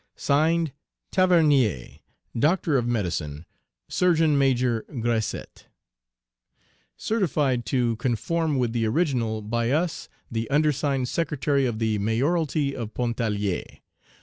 (Signed) TAVERNIER, Doctor of Medicine, Surgeon Major GRESSET. Page 354 Certified to conform with the original by us, the undersigned Secretary of the Mayoralty of Pontarlier.